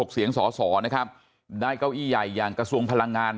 เสียงสอสอนะครับได้เก้าอี้ใหญ่อย่างกระทรวงพลังงาน